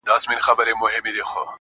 زور د زورور پاچا، ماته پر سجده پرېووت,